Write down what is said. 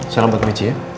salam pak terici ya